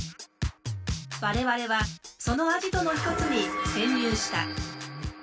我々はそのアジトの一つに潜入した。